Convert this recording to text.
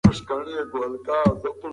سیلانیان باید د خلکو عقیدې ته درناوی وکړي.